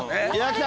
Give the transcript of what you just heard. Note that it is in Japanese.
来た！